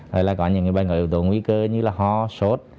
rồi là có những bệnh người ưu tố nguy cơ như là ho sốt